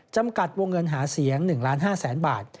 จำกัดวงเงินหาเสียง๑๕๐๐๐๐บาท